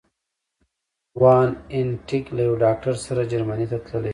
وان هینټیګ له یو ډاکټر سره جرمني ته تللي دي.